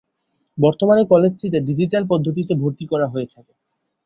বর্তমানে কলেজটিতে ডিজিটাল পদ্ধতিতে ভর্তি করা হয়ে থাকে।